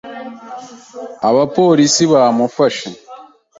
Abapolisi baramufashe.